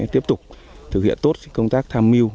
tiếp tục thực hiện tốt công tác tham mưu